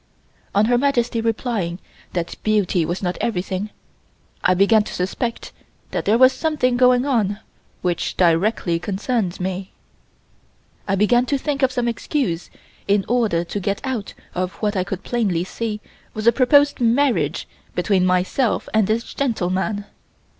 On Her Majesty replying that beauty was not everything I began to suspect that there was something going on which directly concerned me. I began to think of some excuse in order to get out of what I could plainly see was a proposed marriage between myself and this gentleman.